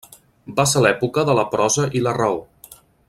Va ser l'època de la prosa i la raó.